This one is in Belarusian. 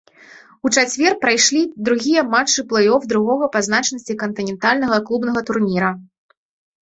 У чацвер прайшлі другія матчы плэй-оф другога па значнасці кантынентальнага клубнага турніра.